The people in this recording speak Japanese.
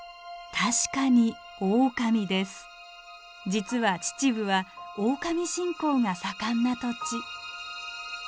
実は秩父はオオカミ信仰が盛んな土地。